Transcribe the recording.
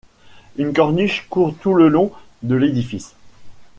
Une corniche court tout le long de l'édifice.